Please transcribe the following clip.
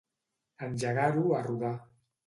Engegar-ho a rodar.